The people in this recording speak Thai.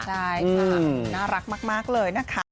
ใช่ค่ะน่ารักมากเลยนะคะ